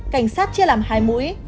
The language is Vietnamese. cảnh sát chia làm hai mũi